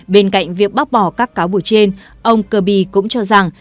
bên cạnh việc bác bỏ các cáo buộc trên ông kirby cũng cho rằng